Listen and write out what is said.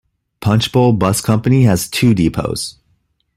Punchbowl Bus Company has two depots.